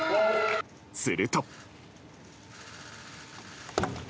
すると。